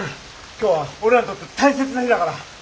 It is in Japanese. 今日は俺らにとって大切な日だから。